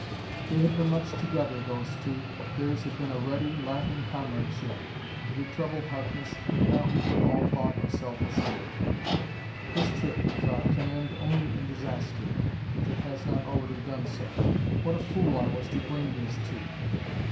They had been much together, those two; theirs had been a ready, laughing comradeship. It had troubled Harkness, but now he put all thought of self aside. "This trip," he thought, "can end only in disaster if it has not already done so. What a fool I was to bring these two!"